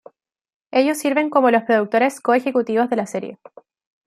Ellos sirven como los productores co-ejecutivos de la serie.